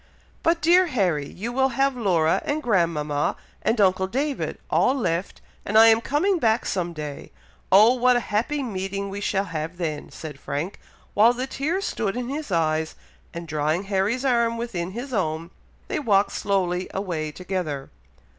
"But, dear Harry! you will have Laura and grandmama, and uncle David, all left, and I am coming back some day! Oh! what a happy meeting we shall have then!" said Frank, while the tears stood in his eyes; and drawing Harry's arm within his own, they walked slowly away together.